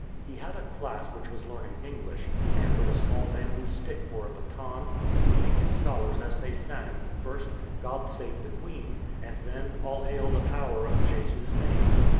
He had a class which was learning English, and with a small bamboo stick for a baton was leading his scholars as they sang, first " God save the Queen," and then " All hail the power of Jesu's name."